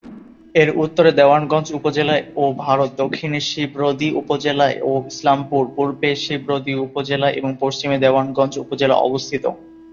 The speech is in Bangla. এর উত্তরে দেওয়ানগঞ্জ উপজেলা ও ভারত, দক্ষিণে শ্রীবরদী উপজেলা ও ইসলামপুর, পূর্বে শ্রীবরদী উপজেলা এবং পশ্চিমে দেওয়ানগঞ্জ উপজেলা অবস্থিত।